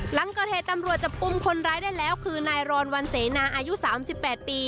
หลังเกิดเหตุตำรวจจับกลุ่มคนร้ายได้แล้วคือนายรอนวันเสนาอายุ๓๘ปี